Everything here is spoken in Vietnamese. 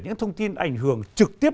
những thông tin ảnh hưởng trực tiếp